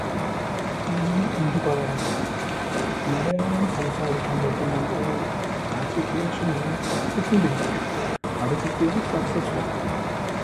The game was withdrawn from shops six weeks after its release.